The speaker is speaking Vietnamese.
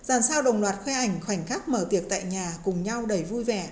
làm sao đồng loạt khoe ảnh khoảnh khắc mở tiệc tại nhà cùng nhau đầy vui vẻ